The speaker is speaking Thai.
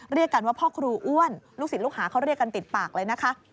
เรียกกันว่าพ่อครูอ้วนลูกศิษย์ลูกหาเขาเรียกกันติดปากเลยนะคะ